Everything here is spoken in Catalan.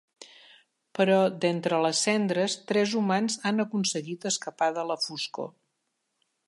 Però d'entre les cendres, tres humans han aconseguit escapar de la foscor.